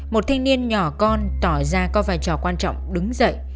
một thanh niên nhỏ con tỏ ra có vai trò quan trọng đứng dậy